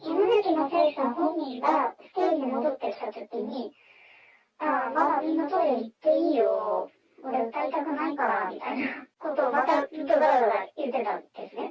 まさよしさん本人がステージに戻ってきたときに、ああ、まだみんなトイレ行っていいよー、俺、歌いたくないからーみたいなことをまたずっとだらだら言ってたんですね。